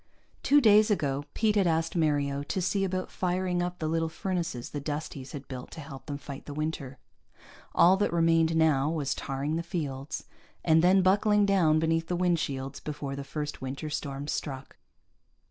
Two days ago Pete had asked Mario to see about firing up the little furnaces the Dusties had built to help them fight the winter. All that remained now was tarring the fields, and then buckling down beneath the wind shields before the first winter storms struck.